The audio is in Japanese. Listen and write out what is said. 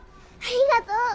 ありがとう！